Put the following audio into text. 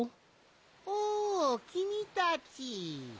・おきみたち。